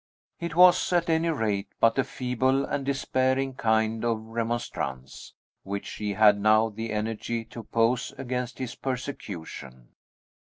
It was, at any rate, but a feeble and despairing kind of remonstrance which she had now the energy to oppose against his persecution.